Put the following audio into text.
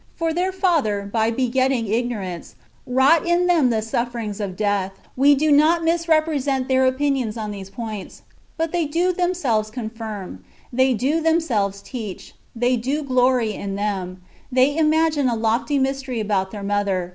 For their father, by begetting ignorance, wrought in them the sufferings of death. We do not misrepresent [their opinions on] these points ; but they do themselves confirm, they do themselves teach, they do glory in them, they imagine a lofty [mystery] ^ Plato, de Leg. iv.